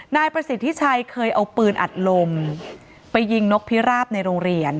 นายประสิทธิชัยเคยเอาปืนอัดลมไปยิงนกพิราบในโรงเรียน